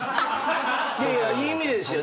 いやいやいい意味でですよ。